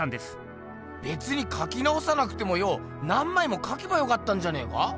べつにかきなおさなくてもよお何まいもかけばよかったんじゃねえか？